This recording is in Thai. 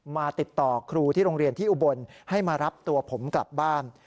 มาติดต่อครูที่โรงเรียนที่อุบลให้มารับตัวผมกลับบ้าน